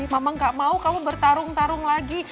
mama gak mau kamu bertarung tarung lagi